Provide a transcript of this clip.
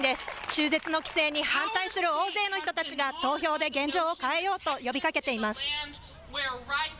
中絶の規制に反対する大勢の人たちが投票で現状を変えようと呼びかけています。